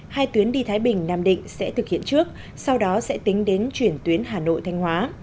hai tuyến đi thái bình nam định sẽ thực hiện trước sau đó sẽ tính đến chuyển tuyến hà nội thanh hóa